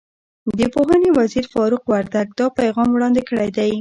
د پوهنې وزیر فاروق وردګ دا پیغام وړاندې کړی دی.